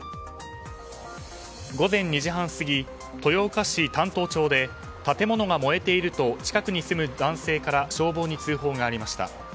午前２時半過ぎ、豊岡市但東町で建物が燃えていると近くに住む男性から消防に通報がありました。